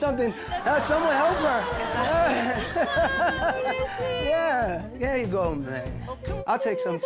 うれしい！